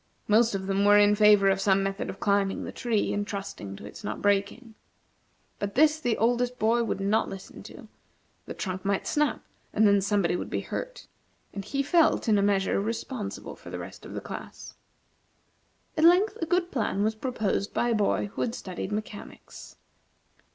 Most of them were in favor of some method of climbing the tree and trusting to its not breaking. But this the oldest boy would not listen to; the trunk might snap, and then somebody would be hurt, and he felt, in a measure, responsible for the rest of the class. At length a good plan was proposed by a boy who had studied mechanics.